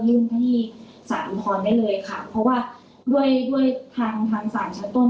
ก็ยื่นให้สารอุทธรณ์ได้เลยค่ะเพราะว่าด้วยทางสารชั้นต้น